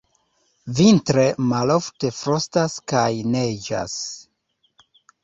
Vintre malofte frostas kaj neĝas.